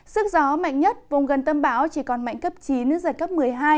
sức gió mạnh nhất vùng gần tâm báo chỉ còn mạnh cấp chín giật cấp một mươi hai